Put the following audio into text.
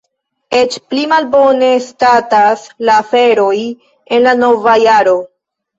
Eĉ pli malbone statas la aferoj en la nova jaro.